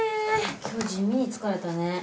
今日地味に疲れたね。ね。